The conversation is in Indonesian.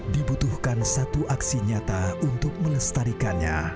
dibutuhkan satu aksi nyata untuk melestarikannya